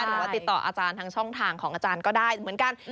หรือว่าติดต่ออาจารย์ทางช่องทางของอาจารย์ก็ได้เหมือนกัน